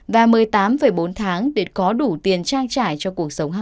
và một mươi tám bốn tháng để có đủ tiền trang trải cho cuộc đời